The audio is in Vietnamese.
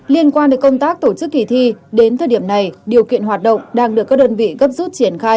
liên quan đến công tác tổ chức kỳ thi đến thời điểm này điều kiện hoạt động đang được các đơn vị gấp rút triển khai